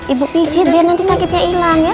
ibu pijit biar nanti sakitnya ilang ya